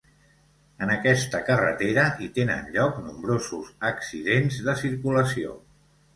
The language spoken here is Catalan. En aquesta carretera hi tenen lloc nombrosos accidents de circulació.